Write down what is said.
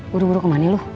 buru buru kemana lo